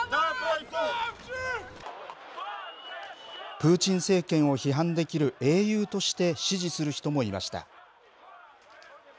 プーチン政権を批判できる英雄として支持する人もいました。